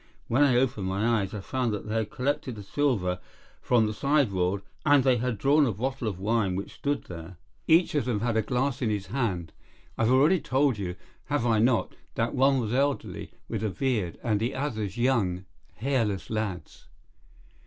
When I opened my eyes I found that they had collected the silver from the sideboard, and they had drawn a bottle of wine which stood there. Each of them had a glass in his hand. I have already told you, have I not, that one was elderly, with a beard, and the others young, hairless lads.